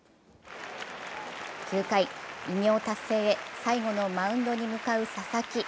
９回、偉業達成へ最後のマウンドに向かう佐々木。